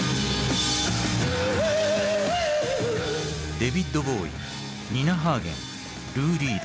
デヴィッド・ボウイニナ・ハーゲンルー・リード。